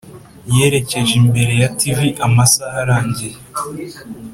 yerekeje imbere ya tv amasaha arangiye.